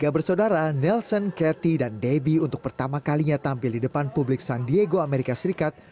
tiga bersaudara nelson catty dan debbie untuk pertama kalinya tampil di depan publik san diego amerika serikat